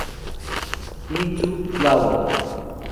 Me Too, Flower!